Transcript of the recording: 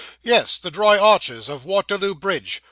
'Yes the dry arches of Waterloo Bridge.